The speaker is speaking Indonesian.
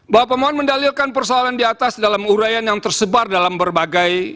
bahwa pemohon mendalilkan persoalan di atas dalam urayan yang tersebar dalam berbagai